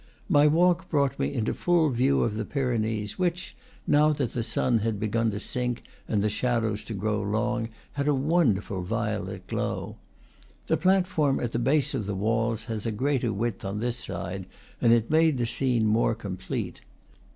My walk brought me into full view of the Pyrenees, which, now that the sun had begun to sink and the shadows to grow long, had a wonderful violet glow. The platform at the base of the walls has a greater width on this side, and it made the scene more complete.